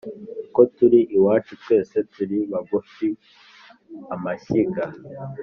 Uko turi iwacu twese turi bagufi-Amashyiga.